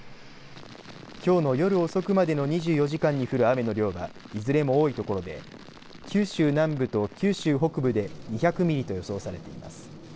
きょうの夜遅くまでの２４時間に降る雨の量はいずれも多いところで九州南部と九州北部で２００ミリと予想されています。